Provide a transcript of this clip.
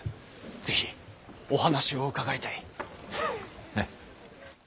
是非お話を伺いたい。